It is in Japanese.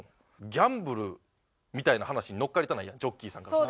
ギャンブルみたいな話に乗っかりたくないやんジョッキーさんからしたら。